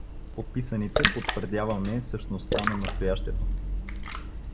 Подписаните потвърдяваме същността на настоящето.